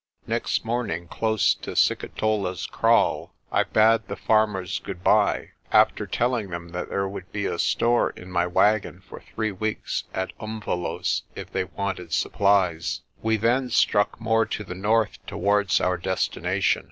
Next morning, close to Sikitola's kraal, I bade the farmers good bye, after telling them that there would be a store in my wagon for three weeks at Umvelos' if they wanted supplies. We then struck more to the north towards our destination.